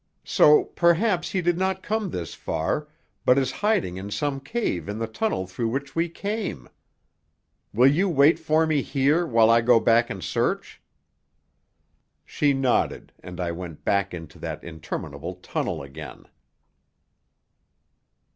So, perhaps, he did not come this far, but is hiding in some cave in the tunnel through which we came. Will you wait for me here while I go back and search?" She nodded, and I went back into that interminable tunnel again.